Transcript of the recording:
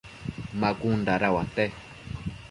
ma cun dada uate ?